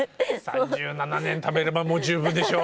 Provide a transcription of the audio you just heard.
３７年ためればもう十分でしょう。